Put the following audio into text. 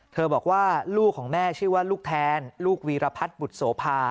บอกว่าลูกของแม่ชื่อว่าลูกแทนลูกวีรพัฒน์บุตรโสภา